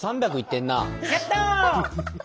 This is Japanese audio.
やった！